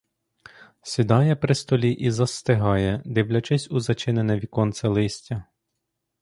Сідає при столі і застигає, дивлячись у зачинене віконце листя.